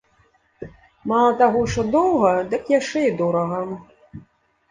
Мала таго, што доўга, дык яшчэ і дорага.